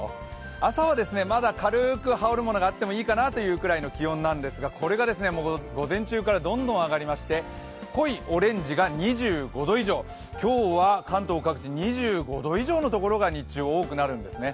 朝はまだ軽く羽織るものがあってもいいかなというぐらいの気温なんですが、これが午前中からどんどん上がりまして、濃いオレンジが２５度以上、今日は関東各地、２５度以上のところが日中多くなるんですね。